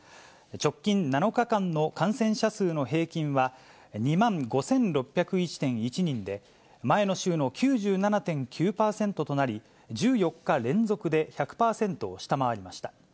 直近７日間の感染者数の平均は２万５６０１．１人で、前の週の９７．９％となり、１４日連続で１００％を下回りました。